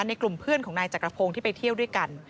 ในกลุ่มเพื่อนของนายจักรพงศ์ที่ไปเที่ยวด้วยกัน